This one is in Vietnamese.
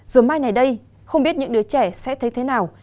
dù mai ngày đây không biết những đứa trẻ sẽ thấy thế nào